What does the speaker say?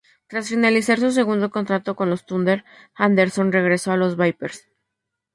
Tras finalizar su segundo contrato con los Thunder, Anderson regresó a los Vipers.